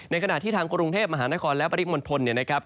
ขณะที่ทางกรุงเทพมหานครและปริมณฑลเนี่ยนะครับ